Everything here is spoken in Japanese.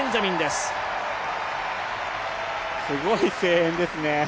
すごい声援ですね。